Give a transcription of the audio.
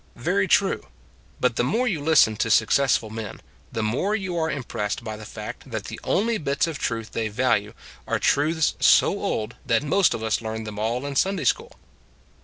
Very true; but the more you listen to successful men, the more you are impressed by the fact that the only bits of truth they value are truths so old that most of us learned them all in Sunday school.